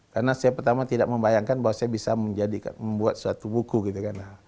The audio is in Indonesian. karena saya pertama tidak membayangkan bahwa saya bisa membuat suatu buku gitu kan